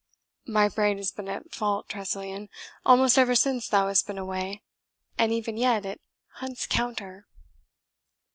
My brain has been at fault, Tressilian, almost ever since thou hast been away, and even yet it hunts counter."